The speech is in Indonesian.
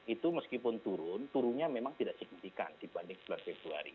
itu meskipun turun turunnya memang tidak signifikan dibanding bulan februari